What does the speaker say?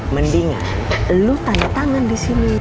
mendingan lu tangan tangan disini